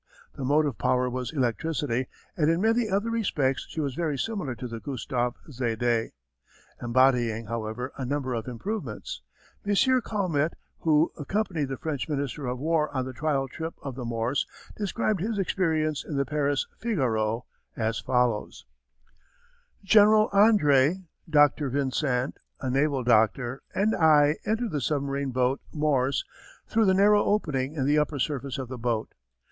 The motive power was electricity and in many other respects she was very similar to the Gustave Zédé, embodying, however, a number of improvements. M. Calmette, who accompanied the French Minister of War on the trial trip of the Morse, described his experience in the Paris Figaro as follows: General André, Dr. Vincent, a naval doctor, and I entered the submarine boat Morse through the narrow opening in the upper surface of the boat.